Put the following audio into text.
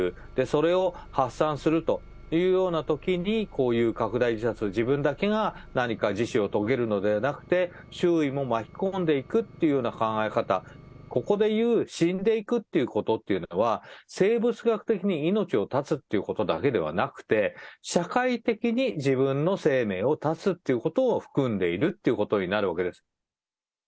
それを発散するというようなときに、こういうかくだい自殺、自分だけが何か自死を遂げるのではなくて、周囲も巻き込んでいくというような考え方、ここでいう死んでいくっていうことっていうのは、生物学的に命を絶つっていうことだけではなくて、社会的に自分の生命を絶つっていうことを含んでいるということになるわけです。